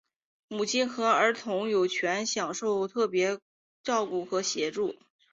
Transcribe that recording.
母亲和儿童有权享受特别照顾和协助。